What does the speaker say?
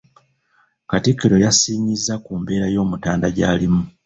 Katikkiro yasiinyizza ku mbeera y'Omutanda gy'alimu.